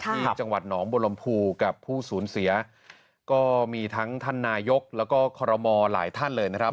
ที่จังหวัดหนองบรมภูกับผู้สูญเสียก็มีทั้งท่านนายกแล้วก็คอรมอหลายท่านเลยนะครับ